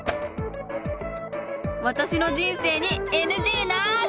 わたしの人生にＮＧなし！